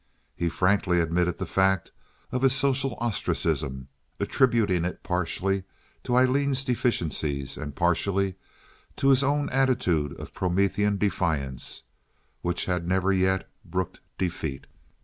He frankly admitted the fact of his social ostracism, attributing it partially to Aileen's deficiencies and partially to his own attitude of Promethean defiance, which had never yet brooked defeat.